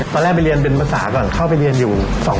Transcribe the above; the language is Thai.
ตอนแรกไปเรียนเป็นภาษาก่อนเข้าไปเรียนอยู่